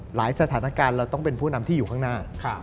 สถานการณ์เราต้องเป็นผู้นำที่อยู่ข้างหน้า